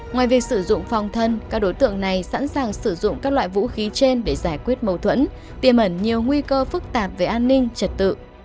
ngoài việc sử dụng phòng thân các đối tượng này sẵn sàng sử dụng các loại vũ khí trên để giải quyết mâu thuẫn tiềm ẩn nhiều nguy cơ phức tạp về an ninh trật tự